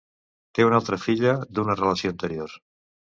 Té una altra filla d'una relació anterior.